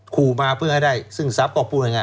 ขู่มาเพื่อให้ได้ซึ่งทรัพย์